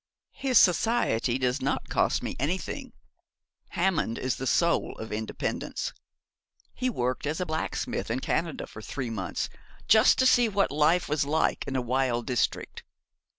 'His society does not cost me anything. Hammond is the soul of independence. He worked as a blacksmith in Canada for three months, just to see what life was like in a wild district.